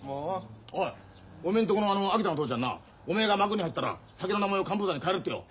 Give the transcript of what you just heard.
おいおめえんとこの秋田の父ちゃんなおめえが幕に入ったら酒の名前を寒風山に変えるってよ